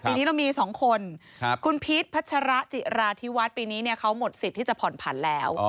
ปีนี้เรามี๒คนคุณพีชพัชระจิราธิวัฒน์ปีนี้เขาหมดสิทธิ์ที่จะผ่อนผันแล้ว